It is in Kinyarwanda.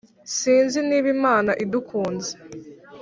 Sinzi niba Imana idukunze